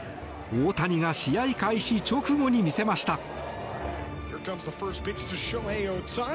大谷が試合開始直後に見せました。